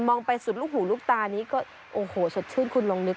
ไปสุดลูกหูลูกตานี้ก็โอ้โหสดชื่นคุณลองนึก